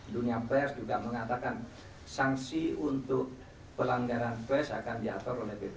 dunia pers juga mengatakan sanksi untuk pelanggaran pers akan diatur oleh bpp